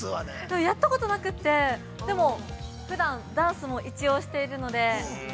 ◆やったことなくて、でも、ふだんダンスも一応しているので。